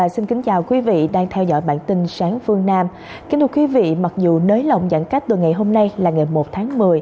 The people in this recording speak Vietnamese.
xin thưa quý vị mặc dù nới lỏng giãn cách từ ngày hôm nay là ngày một tháng một mươi